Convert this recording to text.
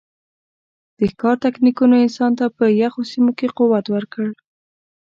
د ښکار تکتیکونو انسان ته په یخو سیمو کې قوت ورکړ.